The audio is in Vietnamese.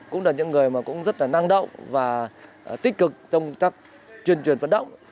cũng là những người rất năng động và tích cực trong các chuyên truyền vận động